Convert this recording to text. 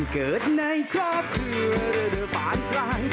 เกิดในครอบครัวโดยฝันตลาย